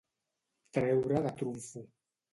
Treure de trumfo.